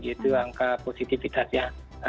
itu angka positifitas ya